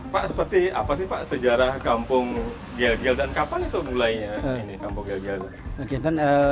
pak seperti apa sih pak sejarah kampung gel gel dan kapan itu mulainya ini kampung gel gel